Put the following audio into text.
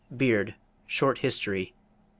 = Beard, Short History, pp.